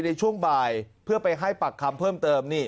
ในช่วงบ่ายเพื่อไปให้ปากคำเพิ่มเติมนี่